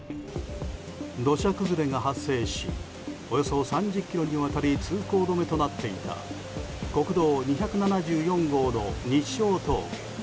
土砂崩れが発生しおよそ３０ｋｍにわたり通行止めとなっていた国道２７４号の日勝峠。